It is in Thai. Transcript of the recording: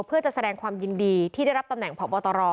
เพื่อจะแสดงความยินดีที่ได้รับตำแหน่งพบตร